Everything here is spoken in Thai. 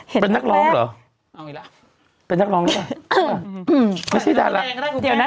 เห็นเป็นนักร้องหรือเป็นนักร้องแล้วหรือไม่ใช่ดาระเอาอีกแล้ว